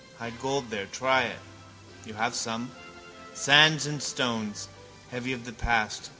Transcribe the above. Hide gold there. Try it. You have some. Sands and stones. Heavy of the past.